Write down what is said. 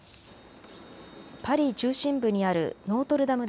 パリ中心部にあるノートルダム